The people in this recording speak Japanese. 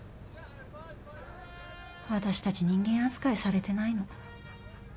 私たち人間扱いされてないの。